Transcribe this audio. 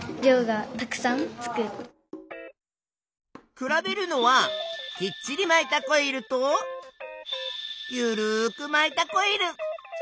比べるのはきっちりまいたコイルとゆるくまいたコイル。